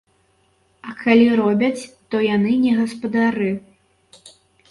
А калі робяць, то яны не гаспадары.